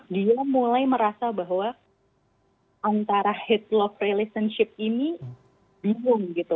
dia mulai merasa bahwa antara headlock relationship ini bingung gitu